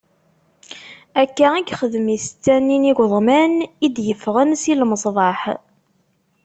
Akka i yexdem i setta-nni n igeḍman i d-iffɣen si lmeṣbaḥ.